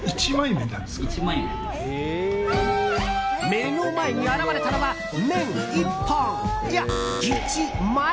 目の前に現れたのは、麺１本いや、１枚。